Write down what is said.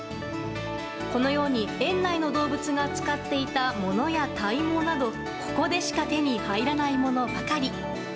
このように、園内の動物が使っていたものや体毛などここでしか手に入らないものばかり。